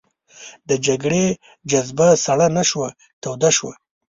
د جګړې جذبه سړه نه شوه توده شوه.